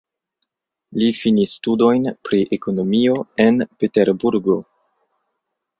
Li finis studojn pri ekonomio en Peterburgo.